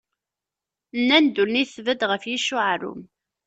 Nnan ddunit tbedd ɣef yicc uɛerrum.